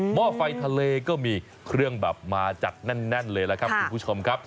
ห้อไฟทะเลก็มีเครื่องแบบมาจัดแน่นเลยล่ะครับคุณผู้ชมครับ